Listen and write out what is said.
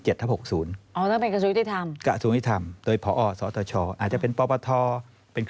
และเราก็เคยสัมภาษณ์กันมาก่อนหน้านี้